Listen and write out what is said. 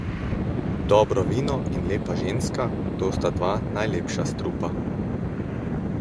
Dobro vino in lepa ženska - to sta dva najlepša strupa.